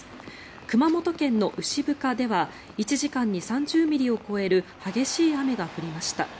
熊本県の牛深では１時間に３０ミリを超える激しい雨が降りました。